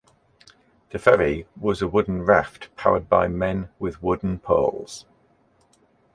The ferry was a wooden raft powered by men with wooden poles.